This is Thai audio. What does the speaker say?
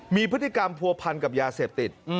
มีพฤติกรรมผัวพันกับยาเสพติด